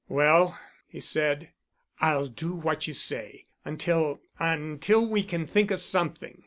"Well," he said. "I'll do what you say—until—until we can think of something."